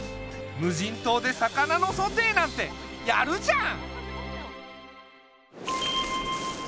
無人島で魚のソテーなんてやるじゃん！